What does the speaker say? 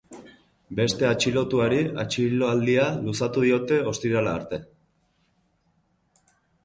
Beste atxilotuari atxiloaldia luzatu diote ostirala arte.